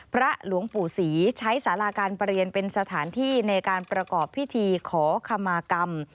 หลวงปู่ศรีใช้สาราการเปลี่ยนเป็นสถานที่ในการประกอบพิธีขอขมากรรม